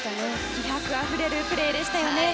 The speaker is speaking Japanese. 気迫あふれるプレーでしたね。